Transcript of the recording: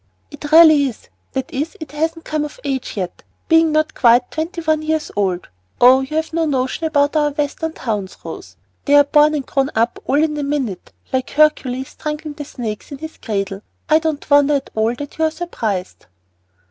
"It really is. That is, it hasn't come of age yet, being not quite twenty one years old. Oh, you've no notion about our Western towns, Rose. They're born and grown up all in a minute, like Hercules strangling the snakes in his cradle. I don't at all wonder that you are surprised."